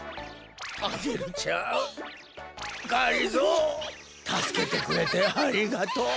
アゲルちゃんがりぞーたすけてくれてありがとう！